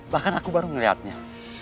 bahkan aku baru melihatnya